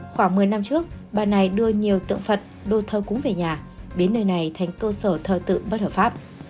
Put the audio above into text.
khoảng một mươi năm trước bà này đưa nhiều tượng phật đô thơ cũng về nhà biến nơi này thành cơ sở thờ tự bất hợp pháp